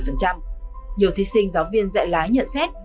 nhiều thí sinh giáo viên dạy lái nhận xét